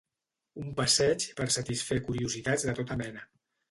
Un passeig per a satisfer curiositats de tota mena.